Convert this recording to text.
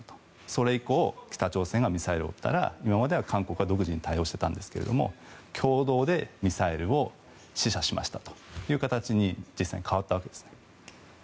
それ以降北朝鮮がミサイルを撃ったら今までは韓国が独自に対応していたんですが共同でミサイルを試射しましたという形に実際に変わったわけです。